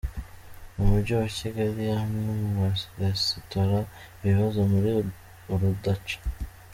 Mu mujyi wa Kigali amwe mu maresitora ibibazo ni urudaca